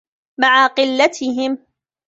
مَعَ قِلَّتِهِمْ